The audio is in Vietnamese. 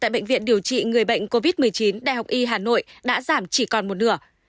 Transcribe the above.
tại bệnh viện điều trị người bệnh covid một mươi chín đại học y hà nội đã giảm chỉ còn một nửa